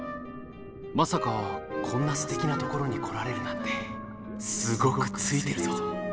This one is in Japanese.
まさかこんなすてきなところに来られるなんてすごくついてるぞ。